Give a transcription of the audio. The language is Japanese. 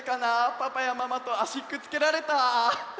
パパやママとあしくっつけられた？